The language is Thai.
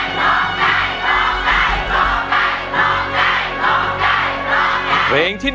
มูลค่า๑หมื่นบาท